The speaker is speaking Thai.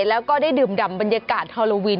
แล้วก็ได้ดื่มดำบรรยากาศฮอโลวิน